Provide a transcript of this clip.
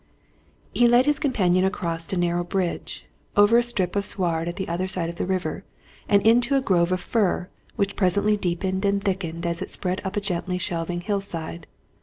He led his companion across a narrow bridge, over a strip of sward at the other side of the river, and into a grove of fir which presently deepened and thickened as it spread up a gently shelving hillside.